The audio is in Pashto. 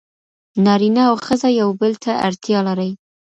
نارینه او ښځه یو بل ته اړتیا لري.